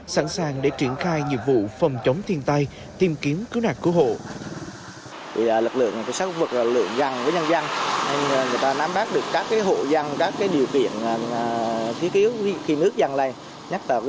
sẵn sàng để triển khai nhiệm vụ phòng chống thiên tai tìm kiếm cứu nạt cứu hộ